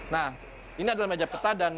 nah ini adalah meja peta dan